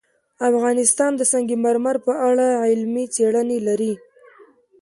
افغانستان د سنگ مرمر په اړه علمي څېړنې لري.